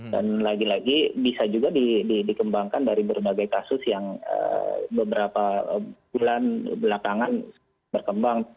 dan lagi lagi bisa juga dikembangkan dari berbagai kasus yang beberapa bulan belakangan berkembang